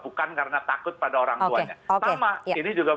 bukan karena takut pada orang tuanya